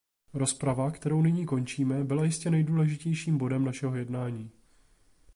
Rozprava, kterou nyní končíme, byla jistě nejdůležitějším bodem našeho jednání.